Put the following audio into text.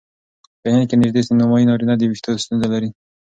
په هند کې نژدې نیمایي نارینه د وېښتو ستونزه لري.